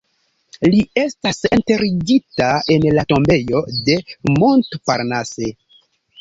Li estas enterigita en la tombejo de Montparnasse.